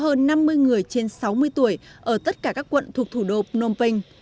trong một mươi năm ngày cho hơn năm mươi người trên sáu mươi tuổi ở tất cả các quận thuộc thủ đô phnom penh